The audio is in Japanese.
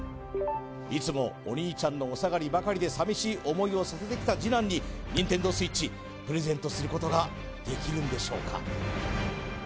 いつもお兄ちゃんのお下がりばかりで寂しい思いをさせてきた次男にＮｉｎｔｅｎｄｏＳｗｉｔｃｈプレゼントすることができるんでしょうか？